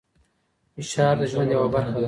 فشار د ژوند یوه برخه ده.